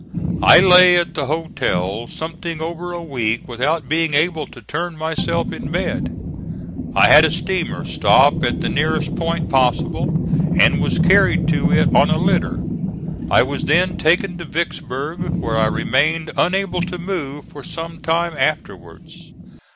I lay at the hotel something over a week without being able to turn myself in bed. I had a steamer stop at the nearest point possible, and was carried to it on a litter. I was then taken to Vicksburg, where I remained unable to move for some time afterwards.